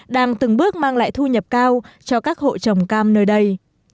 đang từng bước mang lại thu nhập cao cho các hộ trồng cam nơi đây